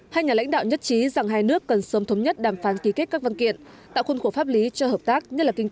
hai nhà lãnh đạo nhất trí rằng hai nước cần sớm thống nhất đàm phán ký kết các văn kiện tạo khuôn khổ pháp lý cho hợp tác